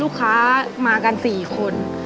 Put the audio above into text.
ลูกค้ามากัน๔คน